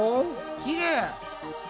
きれい！